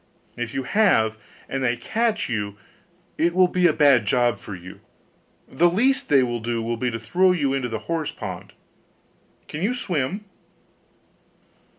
If you have, and they catch you, it will be a bad job for you. The least they will do will be to throw you into the horse pond. Can you swim?